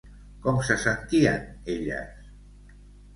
Com se sentien elles?